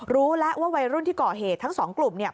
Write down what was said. รู้แล้วว่าวัยรุ่นที่ก่อเหตุทั้งสองกลุ่มเนี่ย